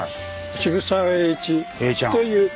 渋沢栄一という。